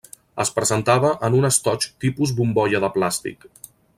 Es presentava en un estoig tipus bombolla de plàstic.